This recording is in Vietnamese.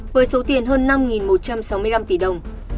với số tiền hơn năm một trăm sáu mươi năm tỷ đồng